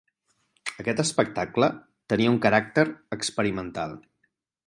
Aquest espectacle tenia un caràcter experimental.